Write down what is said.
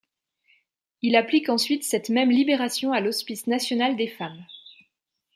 Il applique ensuite cette même libération à l'hospice national des femmes.